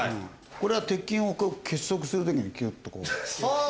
これは鉄筋を結束する時にキュッとこう。はあ！